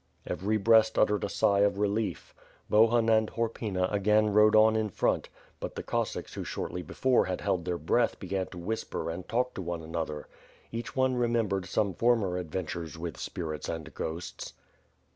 *' Every breast uttered a sigh of relief. Bohun and Horpyna again rode on in front; but the Cossacks who shortly before had held their breath began to whisper and talk to one an other. Each one remembered some former adventures with spirits and ghosts.